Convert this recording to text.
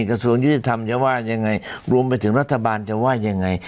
กระทรวงยุติธรรมจะว่ายังไงรวมไปถึงรัฐบาลจะว่ายังไง